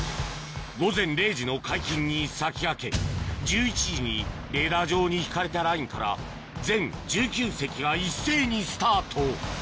午前０時の解禁に先駆け１１時にレーダー上に引かれたラインから全１９隻が一斉にスタート